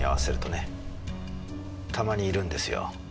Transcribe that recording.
たまにいるんですよ。